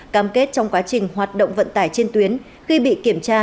cam kết trong quá trình hoạt động vận tải trên tuyến khi bị kiểm tra